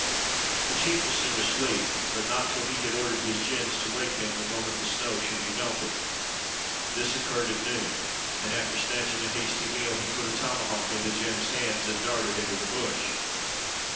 The chief was soon asleep, but not till he had ordered his gins to wake him the moment the snow should be melted. This occurred at noon, and, after snatching a hasty meal, he put a tomahawk into Jem's hands and darted into the bush.